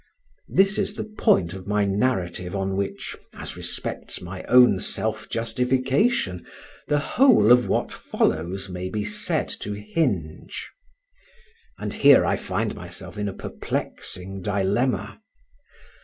This is the point of my narrative on which, as respects my own self justification, the whole of what follows may be said to hinge. And here I find myself in a perplexing dilemma.